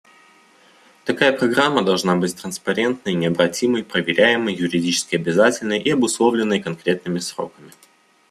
Такая программа должна быть транспарентной, необратимой, проверяемой, юридически обязательной и обусловленной конкретными сроками.